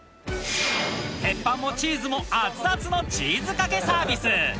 鉄板もチーズも熱々のチーズかけサービス